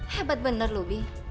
hebat benar robby